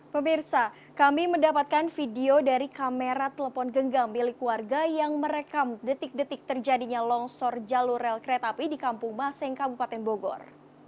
pemirsa kami mendapatkan video dari kamera telepon genggam milik warga yang merekam detik detik terjadinya longsor jalur rel kereta api di kampung baseng kabupaten bogor